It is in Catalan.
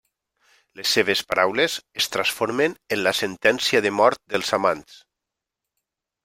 Les seves paraules es transformen en la sentència de mort dels amants.